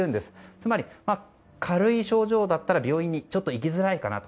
つまり、軽い症状だったら病院にちょっと行きづらいかなと。